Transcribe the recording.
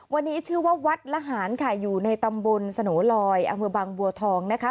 วันนี้ชื่อว่าวัดละหารค่ะอยู่ในตำบลสโนลอยอำเภอบางบัวทองนะคะ